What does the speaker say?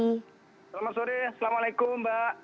selamat sore assalamualaikum mbak